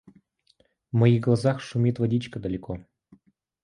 В моих глазах шумит водичка далеко.